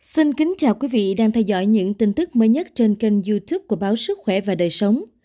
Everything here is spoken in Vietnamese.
xin kính chào quý vị đang theo dõi những tin tức mới nhất trên kênh youtube của báo sức khỏe và đời sống